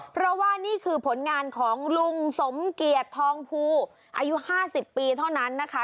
เพราะว่านี่คือผลงานของลุงสมเกียจทองภูอายุ๕๐ปีเท่านั้นนะคะ